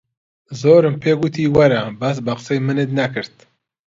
زۆرم پێ گۆتی وەرە، بەس بە قسەی منت نەکرد.